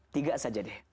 tiga saja deh